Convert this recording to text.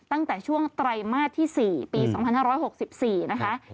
ตั้งแต่ช่วงไตรมาสที่๔ปี๒๕๖๔นะคะ